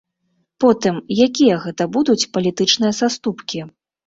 Потым, якія гэта будуць палітычныя саступкі?